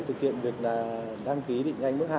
thực hiện việc đăng ký định danh mức hai